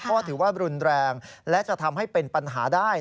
เพราะถือว่ารุนแรงและจะทำให้เป็นปัญหาได้